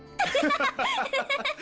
ハハハハハ。